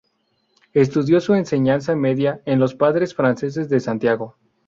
Estudió su enseñanza media en los Padres Franceses de Santiago.